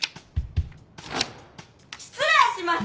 ・失礼します！